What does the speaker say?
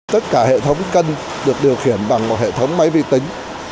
tất cả hệ thống cân được điều khiển bằng một hệ thống máy vi tính